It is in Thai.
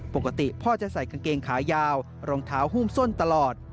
ปกติพ่อจะใส่กางเกงขายาวรองเท้าหุ้มส้นตลอด